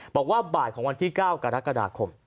บอกว่าบ่ายของวันที่๙กรกฎาคม